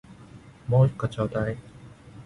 もう一個ちょうだい